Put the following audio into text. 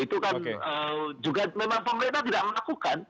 itu kan juga memang pemerintah tidak melakukan